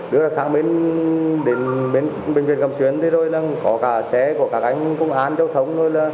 đưa tháng đến bệnh viện cầm xuyên có cả xe có cả cánh công an châu thống